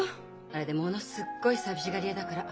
あれでものすっごい寂しがり屋だから。